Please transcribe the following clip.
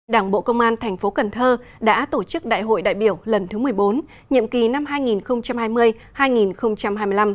đảng bộ công an thành phố cần thơ đã tổ chức đại hội đại biểu lần thứ một mươi bốn nhiệm kỳ năm hai nghìn hai mươi hai nghìn hai mươi năm